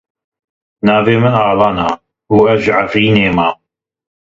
Navê min Alan e û ez ji Efrînê me.